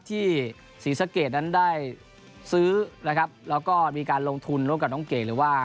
ที่ศรีสะเกดนั้นได้ซื้อนะครับแล้วก็มีการลงทุนร่วมกับน้องเก๋หรือว่า